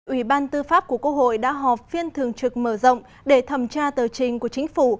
ủy ban tư pháp của quốc hội đã họp phiên thường trực mở rộng để thẩm tra tờ trình của chính phủ